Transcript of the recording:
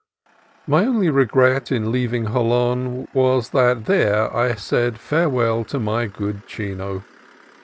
MY only regret in leaving Jolon was that there I said farewell to my good Chino.